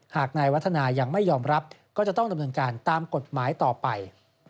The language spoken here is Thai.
หากนายวัฒนายังไม่ยอมรับก็จะต้องดำเนินการตามกฎหมายต่อไป